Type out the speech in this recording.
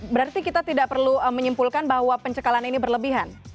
berarti kita tidak perlu menyimpulkan bahwa pencekalan ini berlebihan